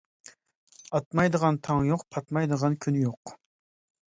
ئاتمايدىغان تاڭ يوق، پاتمايدىغان كۈن يوق.